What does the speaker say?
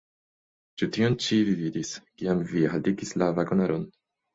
Ĉu tion ĉi vi vidis, kiam vi haltigis la vagonaron?